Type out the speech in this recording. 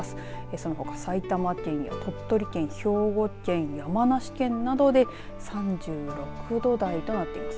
そのほか埼玉県や鳥取県兵庫県山梨県などで３６度台となっています。